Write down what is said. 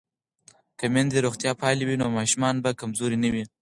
که میندې روغتیا پالې وي نو ماشومان به کمزوري نه وي.